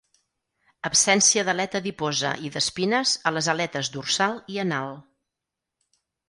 Absència d'aleta adiposa i d'espines a les aletes dorsal i anal.